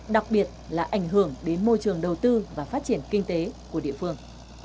đặc biệt là ảnh hưởng đến môi trường đầu tư và phát triển kinh tế của địa phương